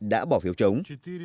đã bỏ phiếu chống